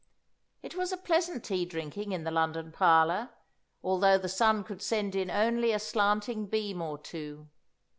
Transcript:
It was a pleasant tea drinking in the London parlour, although the sun could send in only a slanting beam or two.